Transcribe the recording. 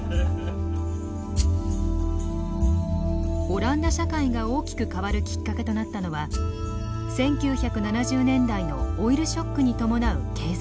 オランダ社会が大きく変わるきっかけとなったのは１９７０年代のオイルショックに伴う経済危機。